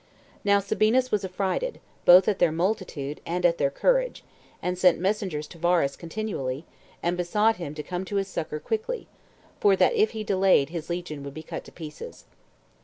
2. Now Sabinus was affrighted, both at their multitude, and at their courage, and sent messengers to Varus continually, and besought him to come to his succor quickly; for that if he delayed, his legion would be cut to pieces.